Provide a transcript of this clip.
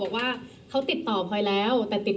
เธออยากให้ชี้แจ่งความจริง